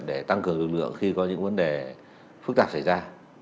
để tăng cường lực lượng khi có những vấn đề phức tạp xảy ra